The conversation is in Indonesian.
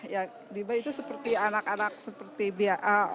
ya tiba tiba itu seperti anak anak seperti biar